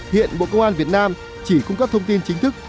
hiện bộ công an việt nam chỉ cung cấp thông tin chính thức